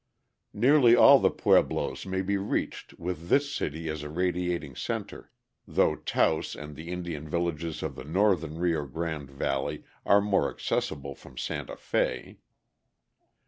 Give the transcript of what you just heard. Nearly all the pueblos may be reached with this city as a radiating center, though Taos and the Indian villages of the northern Rio Grande valley are more accessible from Santa Fe.